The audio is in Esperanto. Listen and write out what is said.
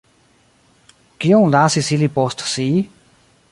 Kion lasis ili post si?